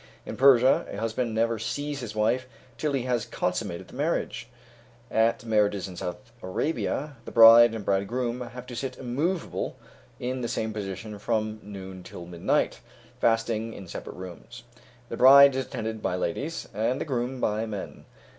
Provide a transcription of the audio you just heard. In Persia, a husband never sees his wife till he has consummated the marriage. At marriages in South Arabia, the bride and bridegroom have to sit immovable in the same position from noon till midnight, fasting, in separate rooms. The bride is attended by ladies, and the groom by men.